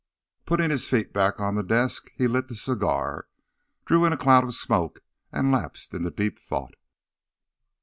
Putting his feet back on the desk, he lit the cigar, drew in a cloud of smoke, and lapsed into deep thought.